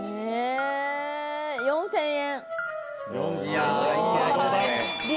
４０００円。